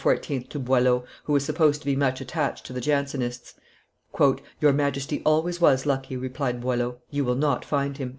to Boileau, who was supposed to be much attached to the Jansenists. "Your Majesty always was lucky," replied Boileau; "you will not find him."